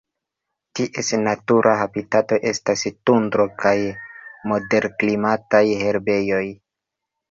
Ties natura habitato estas tundro kaj moderklimataj herbejoj.